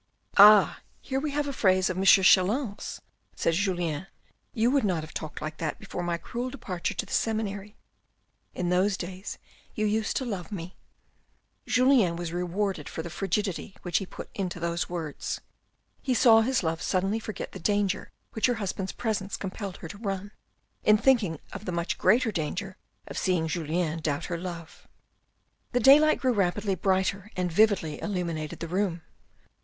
" Ah here we have a phrase of M. Chelan's," said Julien " you would not have talked like that before my cruel departure to the seminary ; in those days you used to love me," Julien was rewarded for the frigidity which he put into those words. He saw his love suddenly forget the danger which her husband's presence compelled her to run, in thinking of the much greater danger of seeing Julien doubt her love. The daylight grew rapidly brighter and vividly illuminated the room.